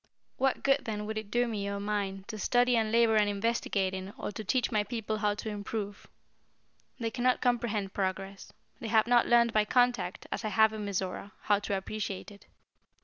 What good then would it do me or mine to study and labor and investigate in or to teach my people how to improve? They can not comprehend progress. They have not learned by contact, as I have in Mizora, how to appreciate it.